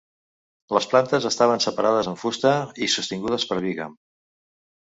Les plantes estaven separades amb fusta i sostingudes per bigam.